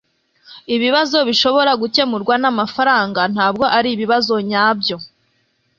Ibibazo bishobora gukemurwa namafaranga ntabwo aribibazo nyabyo.